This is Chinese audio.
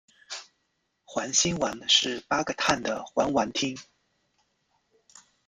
环辛烷是八个碳的环烷烃。